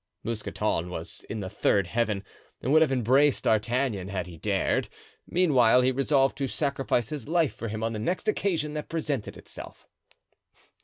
Mousqueton was in the third heaven and would have embraced D'Artagnan had he dared; meanwhile he resolved to sacrifice his life for him on the next occasion that presented itself.